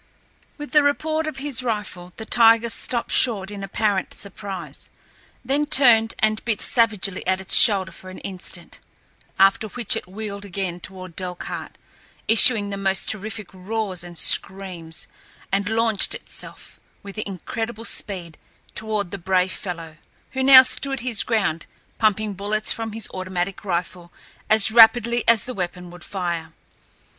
With the report of his rifle the tiger stopped short in apparent surprise, then turned and bit savagely at its shoulder for an instant, after which it wheeled again toward Delcarte, issuing the most terrific roars and screams, and launched itself, with incredible speed, toward the brave fellow, who now stood his ground pumping bullets from his automatic rifle as rapidly as the weapon would fire.